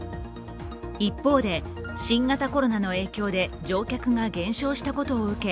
一方で、新型コロナの影響で乗客が減少したことを受け